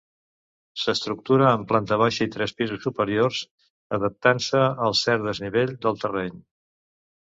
S'estructura en planta baixa i tres pisos superiors, adaptant-se al cert desnivell del terreny.